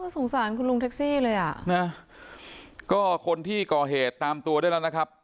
สงสารคุณลุงแท็กซี่เลยอ่ะนะก็คนที่ก่อเหตุตามตัวได้แล้วนะครับ